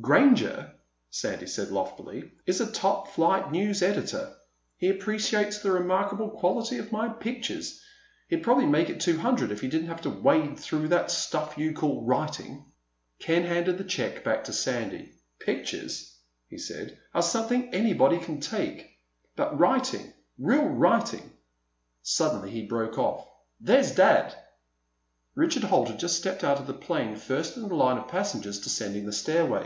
"Granger," Sandy said loftily, "is a top flight news editor. He appreciates the remarkable quality of my pictures. He'd probably make it two hundred if he didn't have to wade through that stuff you call writing." Ken handed the check back to Sandy. "Pictures," he said, "are something anybody can take. But writing—real writing—" Suddenly he broke off. "There's Dad!" Richard Holt had just stepped out of the plane, first in the line of passengers descending the stairway.